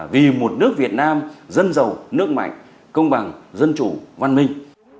vì một nước việt nam dân giàu nước mạnh công bằng dân chủ văn minh